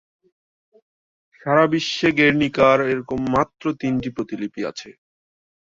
সারা বিশ্বে "গের্নিকা"-র এরকম মাত্র তিনটি প্রতিলিপি আছে।